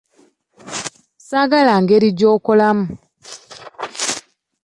Saagala ngeri gy'okolamu.